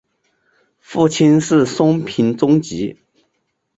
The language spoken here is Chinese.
父亲是松平忠吉。